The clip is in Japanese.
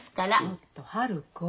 ちょっと春子。